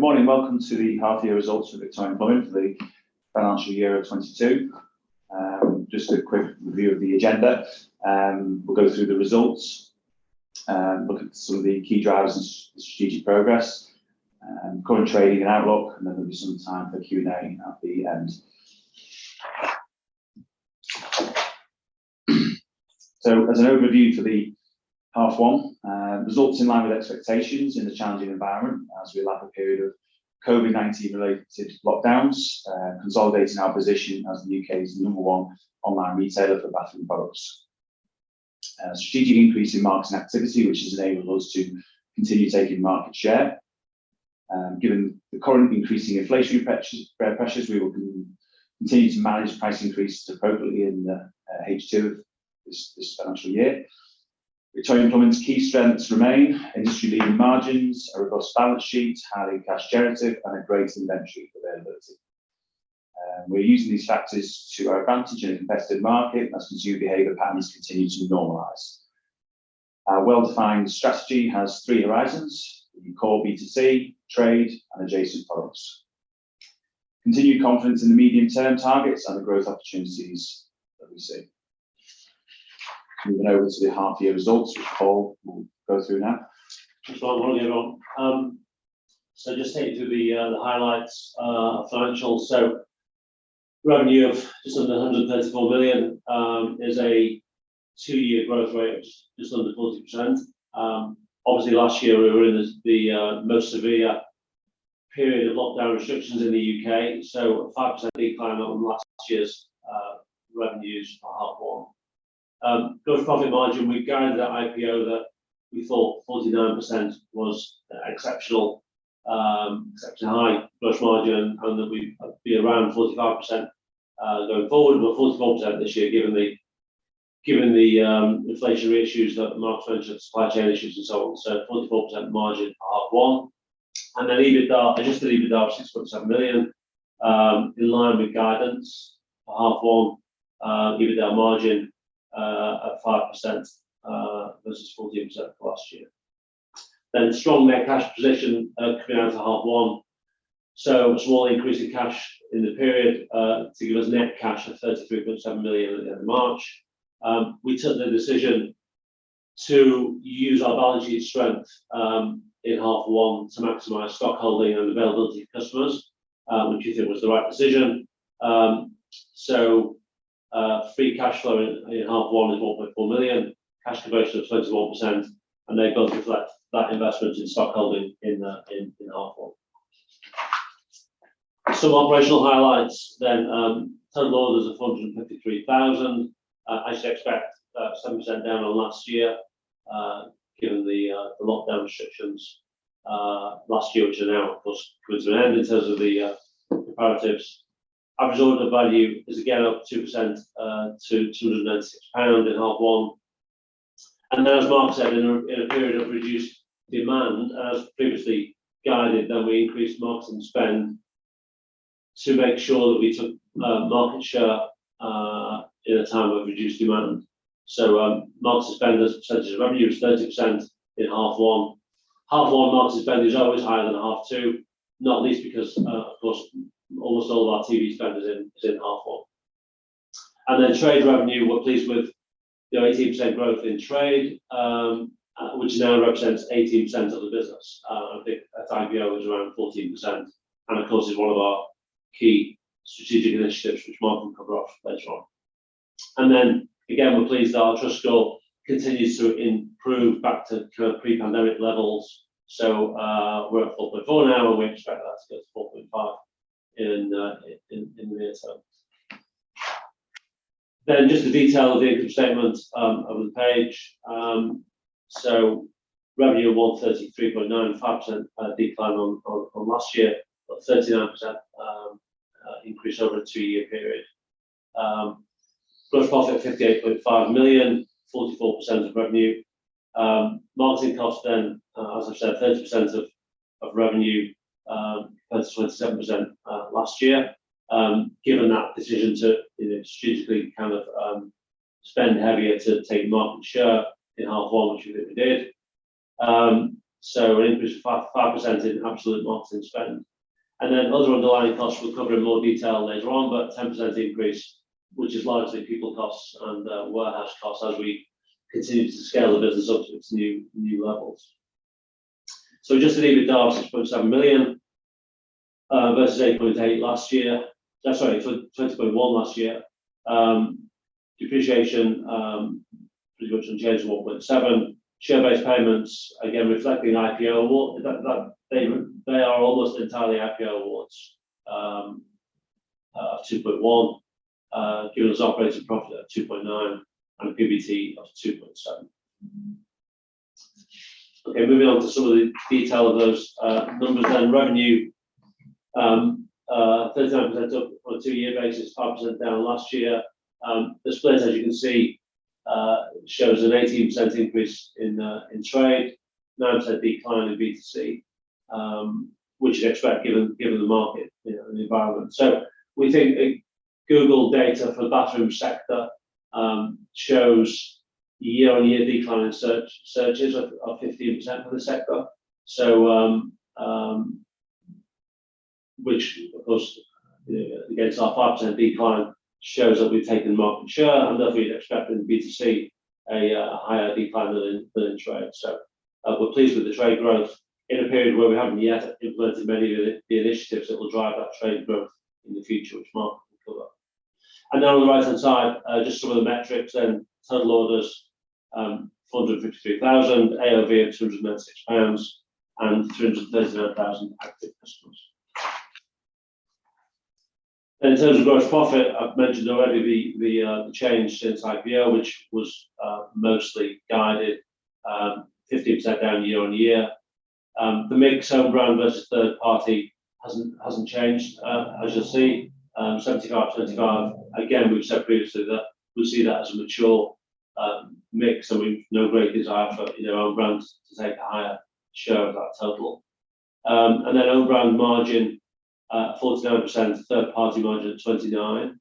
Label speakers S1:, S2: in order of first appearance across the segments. S1: Good morning. Welcome to the Half Year Results for Victorian Plumbing for the Financial Year 2022. Just a quick review of the agenda. We'll go through the results, and look at some of the key drivers and strategic progress, and current trading and outlook, and then there'll be some time for Q&A at the end. As an overview for the H1, results in line with expectations in a challenging environment as we lap a period of COVID-19 related lockdowns, consolidating our position as the U.K.'s number one online retailer for bathroom products. Strategic increase in marketing activity, which has enabled us to continue taking market share. Given the current increasing inflationary pressures, we will continue to manage price increases appropriately in the H2 of this financial year. Victorian Plumbing's key strengths remain, industry-leading margins, a robust balance sheet, highly cash generative, and a great inventory availability. We're using these factors to our advantage in a competitive market as consumer behavior patterns continue to normalize. Our well-defined strategy has three horizons, the core B2C, trade, and adjacent products. Continued confidence in the medium-term targets and the growth opportunities that we see. Moving over to the half-year results, which Paul will go through now.
S2: Thanks a lot, Mark and everyone. Just taking you through the highlights, financials. Revenue of just under 134 million is a two-year growth rate of just under 40%. Obviously last year we were in the most severe period of lockdown restrictions in the U.K., so a 5% decline on last year's revenues for H1. Gross profit margin, we guided at IPO that we thought 49% was exceptional, exceptionally high gross margin, and that we'd be around 45%, going forward. We're 44% this year given the inflationary issues that Mark mentioned, supply chain issues and so on. 44% margin for H1. Then EBITDA, adjusted EBITDA of 6.7 million, in line with guidance for H1. EBITDA margin at 5% versus 14% for last year. Strong net cash position coming out of H1. A small increase in cash in the period to give us net cash of 33.7 million at the end of March. We took the decision to use our balance sheet strength in H1 to maximize stock holding and availability to customers, which we think was the right decision. Free cash flow in half one is 4.4 million. Cash conversion of 34%, and that goes to reflect that investment in stock holding in H1. Some operational highlights. Total orders of 453,000. As you'd expect, 7% down on last year, given the lockdown restrictions last year, which are now, of course, come to an end in terms of the comparatives. Average order value is again up 2% to 296 pounds in H1. As Mark said, in a period of reduced demand, as previously guided, then we increased marketing spend to make sure that we took market share in a time of reduced demand. Marketing spend as a percentage of revenue is 30% in H1. H1 marketing spend is always higher than H2, not least because, of course, almost all of our TV spend is in H1. Trade revenue, we're pleased with the 18% growth in trade, which now represents 18% of the business. I think at IPO it was around 14%, and of course is one of our key strategic initiatives, which Mark will cover later on. We're pleased that our trust score continues to improve back to kind of pre-pandemic levels. We're at 4.4 now, and we expect that to go to 4.5 in the near term. Just the detail of the income statement on the page. Revenue of 133.9 million, 5% decline on last year, but 39% increase over a two-year period. Gross profit 58.5 million quid, 44% of revenue. Marketing costs then, as I've said, 30% of revenue, compared to 27% last year. Given that decision to, you know, strategically kind of spend heavier to take market share in H1, which we think we did. An increase of 5% in absolute marketing spend. Other underlying costs we'll cover in more detail later on, but 10% increase, which is largely people costs and warehouse costs as we continue to scale the business up to its new levels. Adjusted EBITDA of 6.7 million versus 8.8 last year. Sorry, 6.1 last year. Depreciation pretty much unchanged at 1.7 million. Share-based payments, again, reflecting IPO award. They are almost entirely IPO awards of 2.1 million. Giving us operating profit of 2.9 million, and EBITDA of 2.7 million. Okay, moving on to some of the detail of those, numbers then. Revenue, 39% up on a two-year basis, 5% down on last year. The split, as you can see, shows an 18% increase in trade, 9% decline in B2C, which you'd expect given the market, you know, and the environment. Google data for the bathroom sector shows year-on-year decline in searches of 15% for the sector. Which of course, you know, against our 5% decline shows that we've taken market share, and therefore you'd expect B2C to see a higher decline than trade. We're pleased with the trade growth in a period where we haven't yet implemented many of the initiatives that will drive that trade growth in the future, which Mark will cover. On the right-hand side, just some of the metrics. Total orders, 453,000. AOV at 296 pounds, and 339,000 active customers. In terms of gross profit, I've mentioned already the change since IPO, which was mostly guided, 50% down year-on-year. The mix own brand versus third party hasn't changed, as you'll see. 75-25, again, we've said previously that we see that as a mature mix, and we've no great desire for, you know, own brands to take a higher share of that total. Own brand margin 49%. Third-party margin at 29%.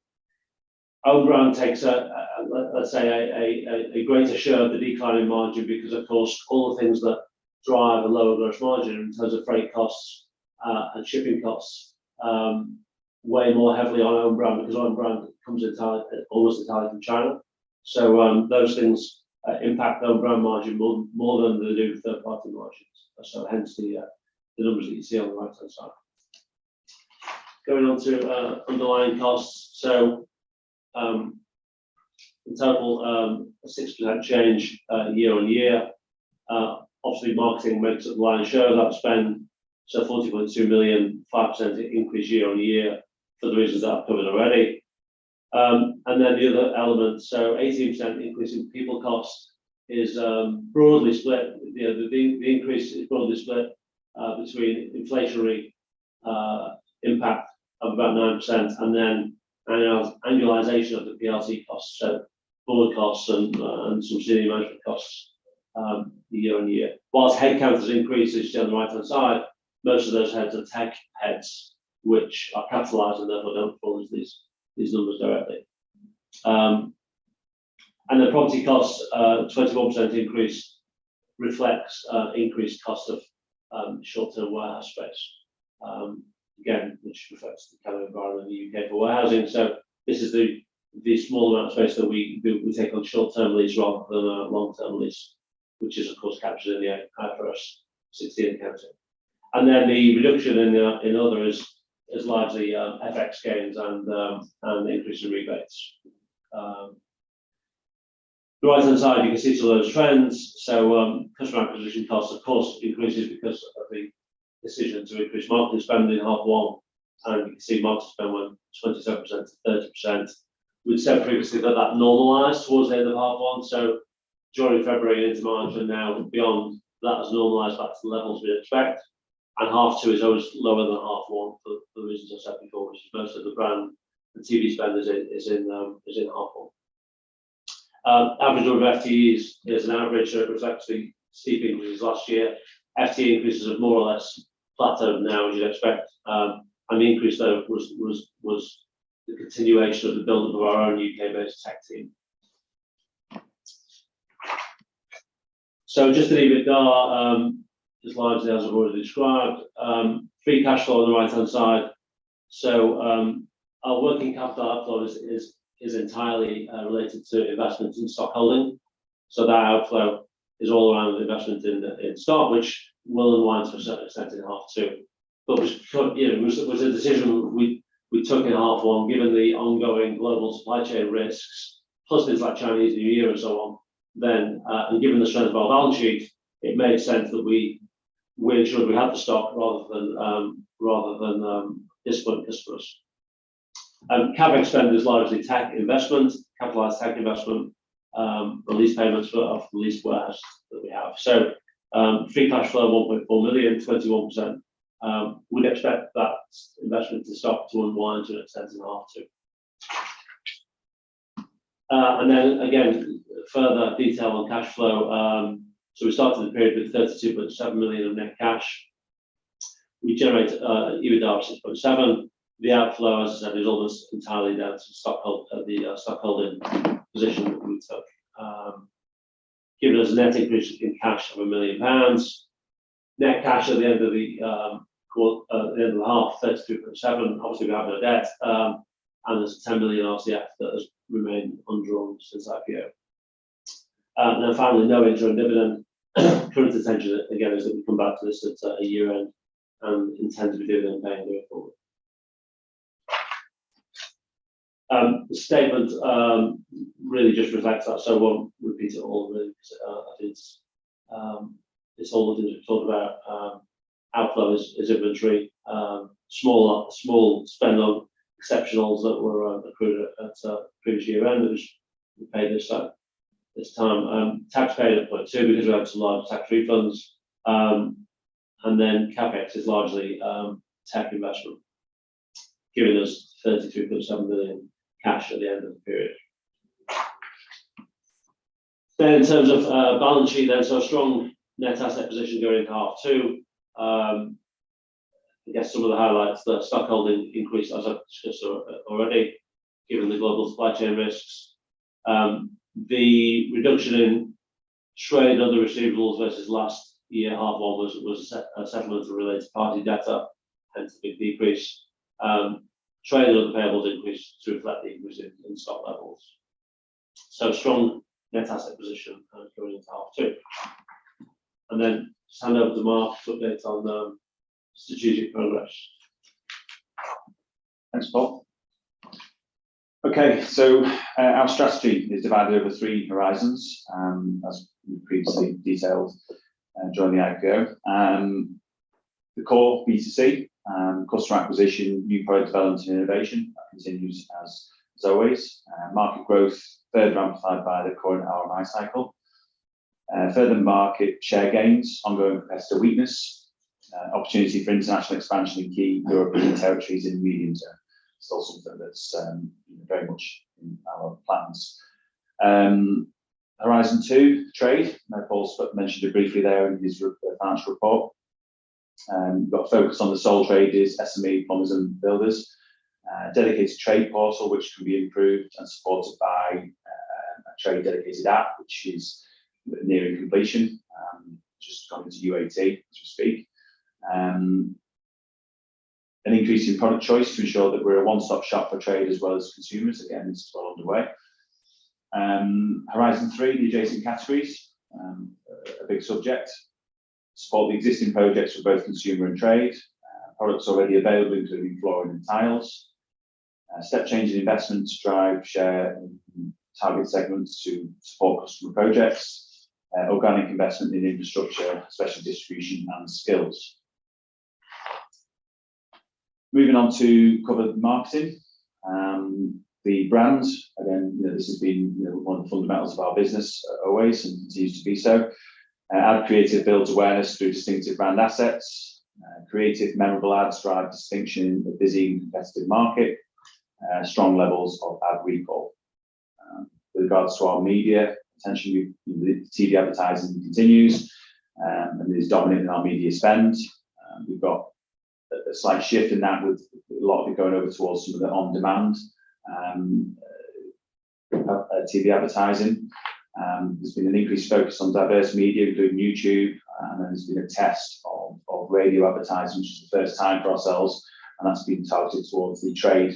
S2: Own brand takes a greater share of the declining margin because of course, all the things that drive a lower gross margin in terms of freight costs and shipping costs weigh more heavily on own brand because own brand comes entirely, almost entirely, from China. Those things impact own brand margin more than they do third-party margins. Hence the numbers that you see on the right-hand side. Going on to underlying costs. In total, a 6% change year-on-year. Obviously, marketing went up. The line shows that spend 40.2 million, 5% increase year-on-year for the reasons that I've covered already. The other element, 80% increase in people cost is broadly split. You know, the increase is broadly split between inflationary impact of about 9%, and then annualization of the PRC costs. Full-year costs and subsidiary management costs, year-on-year. While headcounts increases, shown on the right-hand side, most of those heads are tech heads which are capitalized and therefore don't follow these numbers directly. The property costs, 21% increase reflects increased cost of short-term warehouse space. Again, which reflects the kind of environment in the U.K. for warehousing. This is the small amount of space that we take on short-term lease rather than a long-term lease, which is of course captured in the IFRS 16 accounting. The reduction in the other is largely FX gains and increase in rebates. The right-hand side, you can see two of those trends. Customer acquisition costs of course increases because of the decision to increase marketing spend in H1. You can see marketing spend went 27% to 30%. We've said previously that that normalized towards the end of H1, so during February into March and now beyond, that has normalized back to the levels we expect. Half two is always lower than H1 for the reasons I said before, which is most of the brand and TV spend is in H1. Average order value is an average. It was actually steep increase last year. FTE increases have more or less plateaued now as you'd expect. The increase though was the continuation of the build of our own U.K.-based tech team. Just to leave it there, just largely as I've already described. Free cash flow on the right-hand side. Our working capital outflow is entirely related to investments in stock holding. That outflow is all around investment in stock, which will unwind to a certain extent in H2, was a decision we took in H1 given the ongoing global supply chain risks, plus things like Chinese New Year and so on, then, and given the strength of our balance sheet, it made sense that we ensured we had the stock rather than disappoint customers. CapEx spend is largely tech investment, capitalized tech investment, release payments for the lease warehouse that we have. Free cash flow, 1.4 million, 21%. We'd expect that investment in stock to unwind to an extent in H2. Further detail on cash flow. We started the period with 32.7 million of net cash. We generate EBITDA of 6.7 million. The outflow, as I said, is almost entirely down to the stockholding position that we took. Giving us a net increase in cash of 1 million pounds. Net cash at the end of the half, 32.7 million. Obviously, we have no debt, and there's 10 million RCF that has remained undrawn since IPO. Finally, no interim dividend. Current intention again is that we come back to this at year-end and intend to be dividend paying going forward. The statement really just reflects that, so I won't repeat it all really because it is, it's all the things we've talked about. Outflow is inventory. Small spend on exceptionals that were accrued at previous year-end, which we paid this time. Tax paid at 0.2 million because we had some large tax refunds. CapEx is largely tech investment, giving us 32.7 million cash at the end of the period. In terms of balance sheet, strong net asset position going into H2. I guess some of the highlights, the stockholding increased as I've discussed already, given the global supply chain risks. The reduction in trade and other receivables versus last year H1 was a settlement of related party debt, hence the big decrease. Trade and other payables increased to reflect the increase in stock levels. Strong net asset position going into H2. Then just hand over to Mark for updates on the strategic progress.
S1: Thanks, Paul. Okay. Our strategy is divided over three horizons, as we previously detailed during the AGM. The core B2C, customer acquisition, new product development and innovation, that continues as always. Market growth further amplified by the current RMI cycle. Further market share gains, ongoing competitor weakness. Opportunity for international expansion in key European territories in the medium term. Still something that's, you know, very much in our plans. Horizon two, trade. I know Paul mentioned it briefly there in his financial report. We've got a focus on the sole traders, SME, plumbers, and builders. A dedicated trade portal which can be improved and supported by, a trade dedicated app, which is nearing completion, just gone into UAT as we speak. An increase in product choice to ensure that we're a one-stop shop for trade as well as consumers. Again, this is well underway. Horizon three, the adjacent categories, a big subject. Support the existing projects for both consumer and trade. Products already available including flooring and tiles. Step change in investment to drive share in target segments to support customer projects. Organic investment in infrastructure, especially distribution and skills. Moving on to cover the marketing. The brand, again, you know, this has been, you know, one of the fundamentals of our business always and continues to be so. Ad creative builds awareness through distinctive brand assets. Creative memorable ads drive distinction in a busy and competitive market. Strong levels of ad recall. With regards to our media, potentially the TV advertising continues and is dominant in our media spend. We've got a slight shift in that with a lot of it going over towards some of the on-demand TV advertising. There's been an increased focus on diverse media including YouTube, and then there's been a test of radio advertising, which is the first time for ourselves, and that's been targeted towards the trade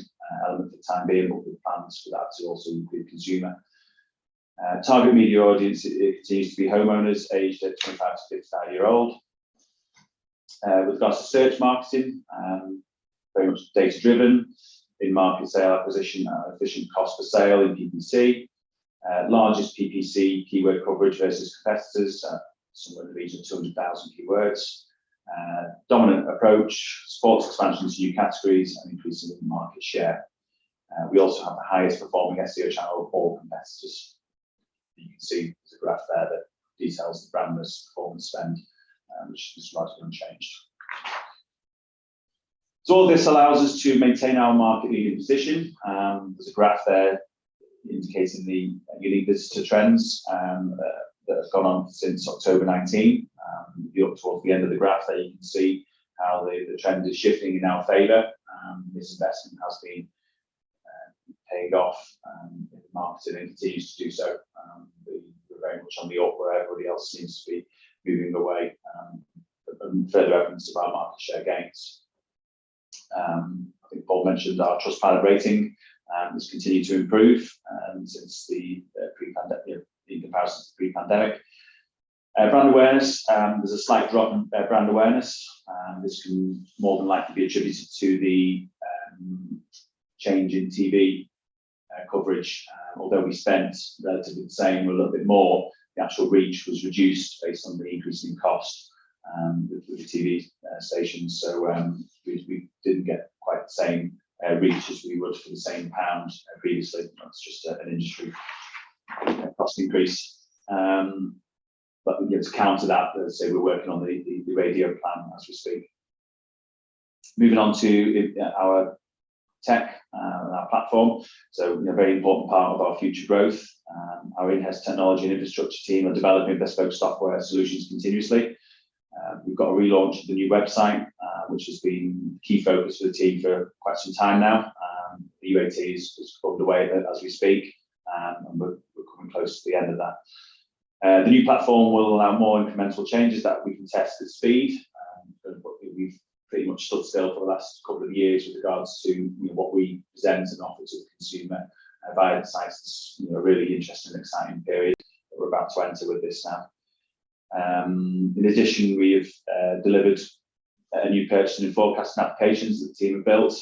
S1: element for the time being, but with plans for that to also include consumer. Target media audience continues to be homeowners aged 25-55 years old. With regards to search marketing, very much data-driven. In market share acquisition at efficient cost per sale in PPC. Largest PPC keyword coverage versus competitors at somewhere in the region of 200,000 keywords. Dominant approach supports expansion to new categories and increasing market share. We also have the highest performing SEO channel of all competitors. You can see there's a graph there that details the brand mix, performance, spend, which is largely unchanged. All this allows us to maintain our market leading position. There's a graph there indicating the uniqueness to trends that has gone on since October 2019. If you look towards the end of the graph there, you can see how the trend is shifting in our favor. This investment has been paying off in marketing and continues to do so. We're very much on the up where everybody else seems to be moving away, further evidence of our market share gains. I think Paul mentioned our Trustpilot rating has continued to improve, you know, in comparison to pre-pandemic. Brand awareness, there was a slight drop in brand awareness. This can more than likely be attributed to the change in TV coverage. Although we spent relatively the same or a little bit more, the actual reach was reduced based on the increase in cost with the TV stations. It's the reason we didn't get quite the same reach as we would for the same pound previously. That's just an industry cost increase. You know, to counter that, as I say, we're working on the radio plan as we speak. Moving on to our tech and our platform. You know, a very important part of our future growth. Our in-house technology and infrastructure team are developing bespoke software solutions continuously. We've got a relaunch of the new website, which has been the key focus for the team for quite some time now. The UAT is underway as we speak, and we're coming close to the end of that. The new platform will allow more incremental changes that we can test at speed. We've pretty much stood still for the last couple of years with regards to, you know, what we present and offer to the consumer via the sites. You know, a really interesting and exciting period that we're about to enter with this now. In addition, we have delivered new purchasing and forecasting applications that the team have built.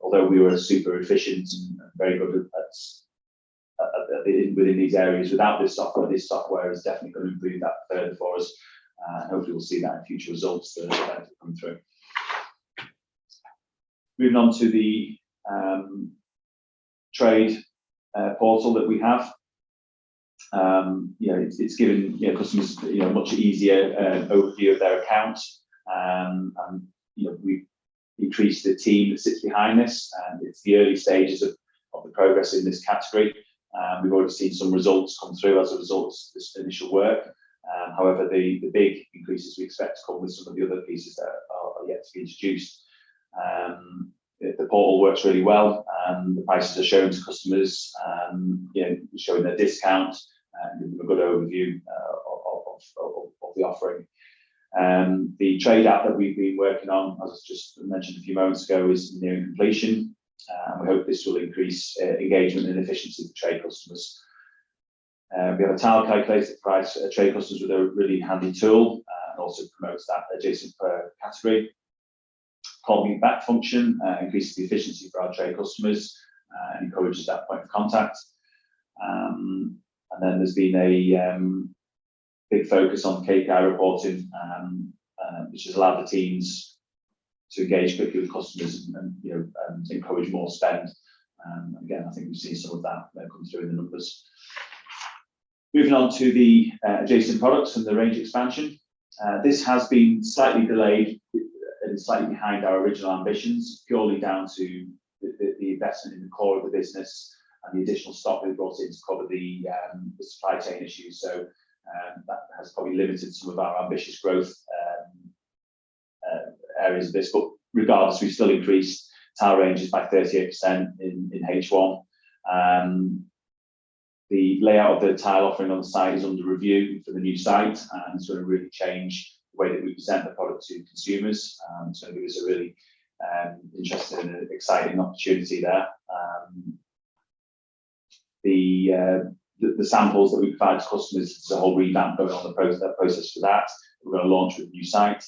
S1: Although we were super efficient and very good at within these areas without this software, this software is definitely gonna improve that further for us. Hopefully we'll see that in future results that are yet to come through. Moving on to the trade portal that we have. You know, it's given you know, customers, you know, a much easier overview of their account. You know, we increased the team that sits behind this, and it's the early stages of the progress in this category. We've already seen some results come through as a result of this initial work. However, the big increases we expect to come with some of the other pieces that are yet to be introduced. The portal works really well, and the prices are shown to customers, you know, showing their discount and a good overview of the offering. The trade app that we've been working on, as I just mentioned a few moments ago, is nearing completion. We hope this will increase engagement and efficiency with trade customers. We have a tile calculator priced for trade customers with a really handy tool, and also promotes that adjacent product category. Call me back function increases the efficiency for our trade customers and encourages that point of contact. There's been a big focus on KPI reporting, which has allowed the teams to engage quickly with customers and, you know, encourage more spend. Again, I think we've seen some of that come through in the numbers. Moving on to the adjacent products and the range expansion. This has been slightly delayed and slightly behind our original ambitions, purely down to the investment in the core of the business and the additional stock we've brought in to cover the supply chain issues. That has probably limited some of our ambitious growth areas of this. Regardless, we've still increased tile ranges by 38% in H1. The layout of the tile offering on the site is under review for the new site and sort of really change the way that we present the product to consumers. I think there's a really interesting and exciting opportunity there. The samples that we provide to customers, there's a whole revamp going on the process for that. We're gonna launch with the new site.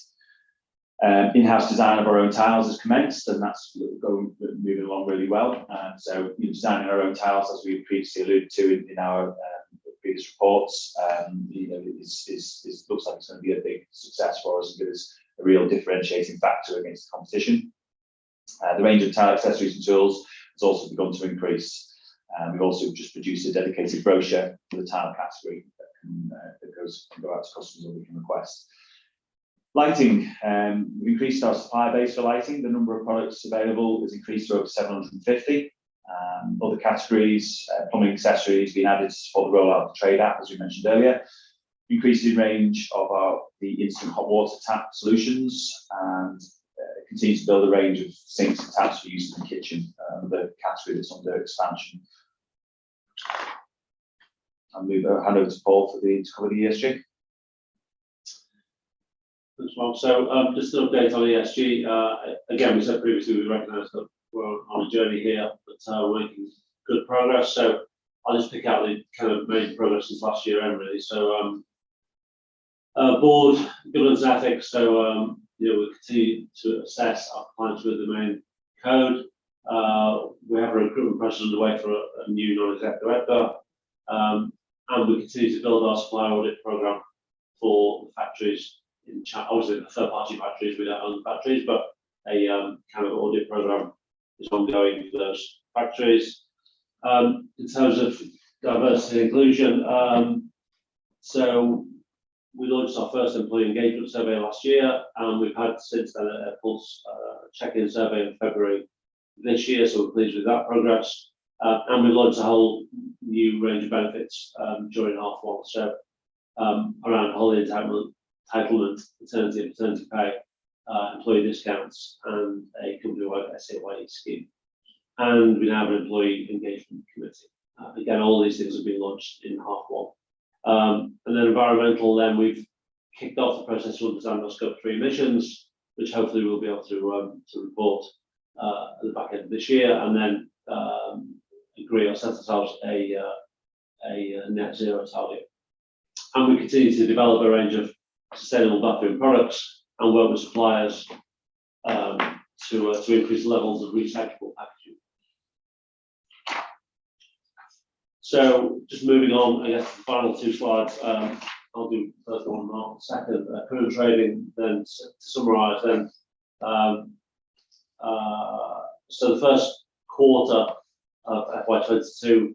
S1: In-house design of our own tiles has commenced, and that's moving along really well. Designing our own tiles, as we previously alluded to in our previous reports, you know, looks like it's gonna be a big success for us and give us a real differentiating factor against the competition. The range of tile accessories and tools has also begun to increase. We've also just produced a dedicated brochure for the tile category that can go out to customers or they can request. Lighting. We increased our supply base for lighting. The number of products available has increased to over 750. Other categories, plumbing accessories have been added to support the rollout of the trade app, as we mentioned earlier. Increasing range of the instant hot water tap solutions and continue to build a range of sinks and taps for use in the kitchen. Another category that's under expansion. I'll hand over to Paul to cover the ESG.
S2: Thanks, Mark. Just an update on the ESG. Again, we said previously we recognize that we're on a journey here, but we're making good progress. I'll just pick out the kind of main progress since last year-end, really. Board governance ethics. You know, we continue to assess our compliance with the main code. We have a recruitment process underway for a new non-exec director. And we continue to build our supplier audit program for the factories obviously the third-party factories. We don't own factories, but a kind of audit program is ongoing for those factories. In terms of diversity and inclusion, so we launched our first employee engagement survey last year, and we've had since then a pulse check-in survey in February this year, so we're pleased with that progress. We launched a whole new range of benefits during half one around holiday entitlement, alternative pay, employee discounts and a company-wide SAY scheme. We now have an employee engagement committee. Again, all these things have been launched in H1. Environmental, we've kicked off the process to understand our Scope 3 emissions, which hopefully we'll be able to report at the back end of this year and then agree or set ourselves a net zero target. We continue to develop a range of sustainable bathroom products and work with suppliers to increase levels of recyclable packaging. Just moving on, I guess the final two slides, I'll do the first one, and Mark the second. Current trading then to summarize then. The first quarter of FY 2022,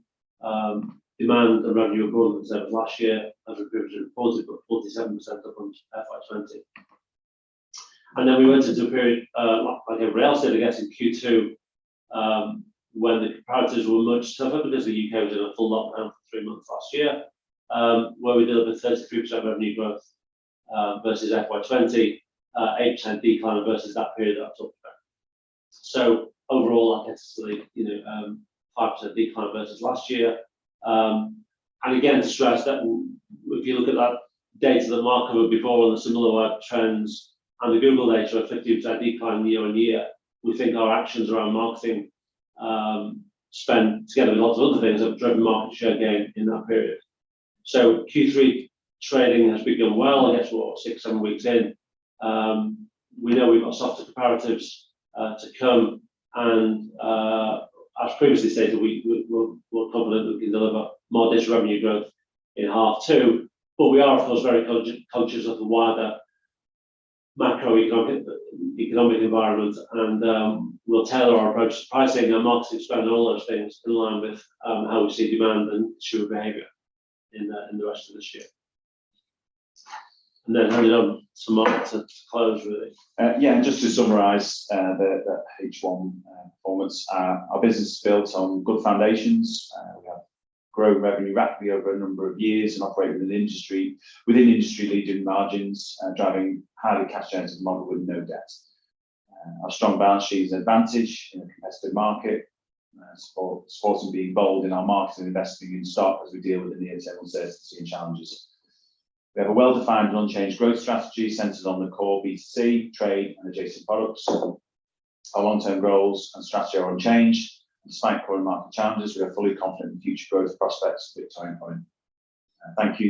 S2: demand and revenue were both observed last year as previously reported, but 47% up on FY 2020. Then we went into a period, like everyone else did, I guess in Q2, when the comparatives were much tougher because the U.K. was in a full lockdown for three months last year, where we delivered 33% revenue growth versus FY20. 8% decline versus that period that I've talked about. Overall, I guess, you know, 5% decline versus last year. Again stress that if you look at that data, the market we were seeing before on the Similarweb trends and the Google data, a 50% decline year-on-year, we think our actions around marketing spend together with lots of other things have driven market share gain in that period. Q3 trading has begun well. I guess we're what, six, seven weeks in. We know we've got softer comparatives to come and, as previously stated, we're confident that we can deliver more digital revenue growth in H2. We are of course very cost-conscious of the wider macroeconomic environment and, we'll tailor our approach to pricing and marketing spend and all those things in line with, how we see demand and consumer behavior in the rest of this year. Hand you over to Mark to close really.
S1: Yeah, just to summarize, the H1 performance. Our business is built on good foundations. We have grown revenue rapidly over a number of years and operate within industry-leading margins, driving highly cash generative model with no debt. Our strong balance sheet is an advantage in a competitive market, supporting being bold in our marketing, investing in stock as we deal with the near-term uncertainty and challenges. We have a well-defined and unchanged growth strategy centered on the core B2C, trade and adjacent products. Our long-term goals and strategy are unchanged. Despite current market challenges, we are fully confident in future growth prospects going forward. Thank you.